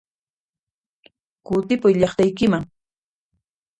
Kutipuy llaqtaykiman!